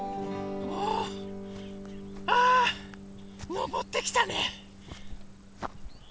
のぼってきたね。